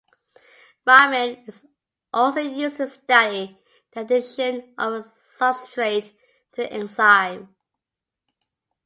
Raman is also used to study the addition of a substrate to an enzyme.